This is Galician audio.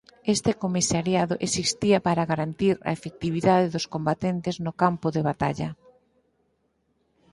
Este comisariado existía para garantir a efectividade dos combatentes no campo de batalla.